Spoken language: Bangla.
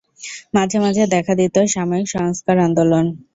মাঝে মাঝে দেখা দিত সাময়িক সংস্কার-আন্দোলন।